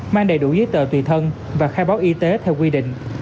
mang đầy đủ giấy tờ tùy thân và khai báo y tế theo quy định